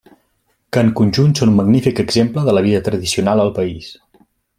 Que en conjunt són un magnífic exemple de la vida tradicional al país.